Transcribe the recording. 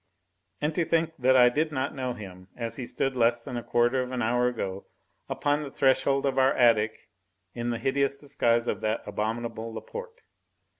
And to think that I did not know him, as he stood less than a quarter of an hour ago upon the threshold of our attic in the hideous guise of that abominable Laporte.